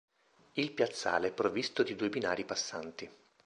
Il piazzale è provvisto di due binari passanti.